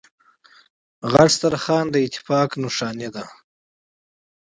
غټ سترخوان داتفاق نښه ده.